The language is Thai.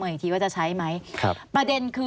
สวัสดีค่ะที่จอมฝันครับ